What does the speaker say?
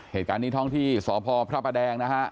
เหตุการณ์นี้ท้องที่สพพระประแดงนะฮะ